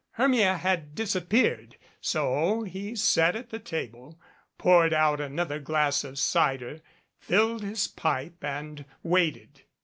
Hermia had disappeared, so he sat at the table, poured out another glass of cider, filled his pipe and waited.